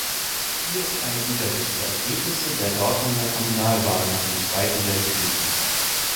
Hier ist eine Übersicht der Ergebnisse der Dortmunder Kommunalwahlen nach dem Zweiten Weltkrieg.